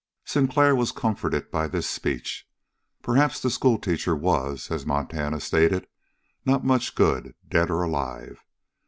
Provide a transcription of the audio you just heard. Sinclair was comforted by this speech. Perhaps the schoolteacher was, as Montana stated, not much good, dead or alive.